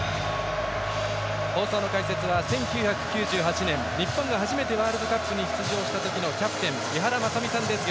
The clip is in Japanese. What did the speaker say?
放送の解説は１９９８年日本が初めてワールドカップに出場した時のキャプテン井原正巳さんです。